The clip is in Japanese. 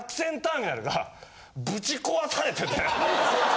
ぶち壊されて。